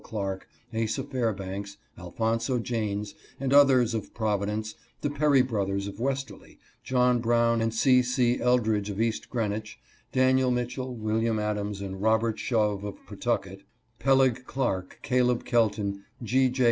Clark, Asa Fairbanks, Alphonso Janes, and others of Providence, the Perry brothers of Westerly, John Brown and C. C. Eldridge of East Greenwich, Daniel Mitchell, William Adams, and Robert Shove of Pawtucket, Peleg Clark, Caleb Kelton, G. J.